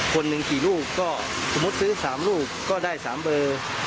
คนหนึ่งกี่ลูกก็สมมุติซื้อ๓ลูกก็ได้๓เบอร์